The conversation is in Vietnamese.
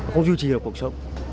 không duy trì được cuộc sống